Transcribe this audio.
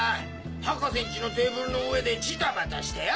博士んちのテーブルの上でジタバタしてよ！